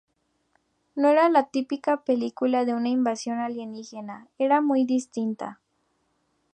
No era la típica película de una invasión alienígena, era muy distinta.